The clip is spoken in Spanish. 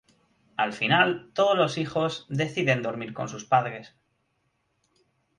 Al final, todos los hijos deciden dormir con sus padres.